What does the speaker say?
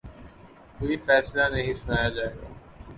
کوئی فیصلہ نہیں سنایا جائے گا